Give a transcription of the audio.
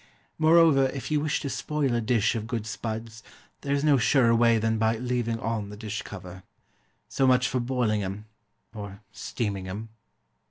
Moreover if you wish to spoil a dish of good spuds, there is no surer way than by leaving on the dish cover. So much for boiling 'em or steaming 'em.